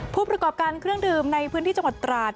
ผู้ประกอบการเครื่องดื่มในพื้นที่จังหวัดตราด